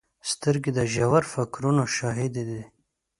سترګې د ژور فکرونو شاهدې دي